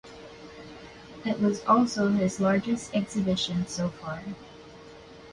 It was also his largest exhibition so far.